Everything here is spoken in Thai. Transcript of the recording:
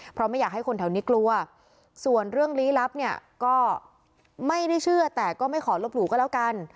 เพราะไม่อยากให้คนแถวนี้กลัวส่วนเรื่องลี้ลับเนี่ยก็ไม่ได้เชื่อแต่ก็ไม่ขอลบหลู่ก็แล้วกัน